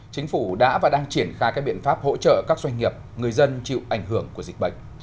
chính phủ đã và đang triển khai các biện pháp hỗ trợ các doanh nghiệp người dân chịu ảnh hưởng của dịch bệnh